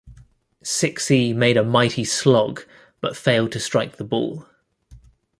Sixey made a mighty slog, but failed to strike the ball.